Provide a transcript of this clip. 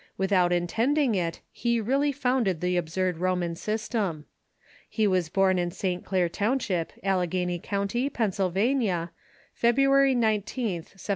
Without intending it, he really founded the absurd Mormon system. He was born in St. Clair township, Allegheny County, Pennsylvania, February 19th, 1793.